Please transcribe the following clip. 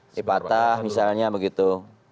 ini patah misalnya begitu